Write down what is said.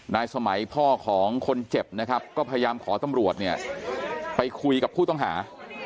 สมัยพ่อของคนเจ็บนะครับก็พยายามขอตำรวจเนี่ยไปคุยกับผู้ต้องหา